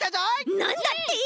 なんだって！